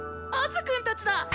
アズくんたちだ！